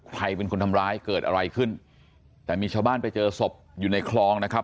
ใครเป็นคนทำร้ายเกิดอะไรขึ้นแต่มีชาวบ้านไปเจอศพอยู่ในคลองนะครับ